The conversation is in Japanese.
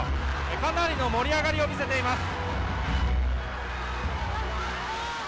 かなりの盛り上がりを見せています。